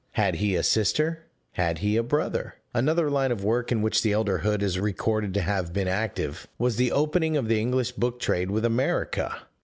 Had he a sister, Had he a brother?" Another line of work in which the elder Hood is recorded to have been active was the opening of the English book trade with America.